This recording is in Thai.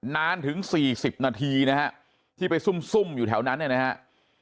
นานถึง๔๐นาทีนะฮะที่ไปซุ่มอยู่แถวนั้นเนี่ยนะฮะ